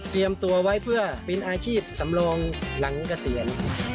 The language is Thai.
ตัวไว้เพื่อเป็นอาชีพสำรองหลังเกษียณ